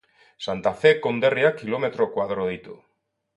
Santa Fe konderriak kilometro koadro ditu.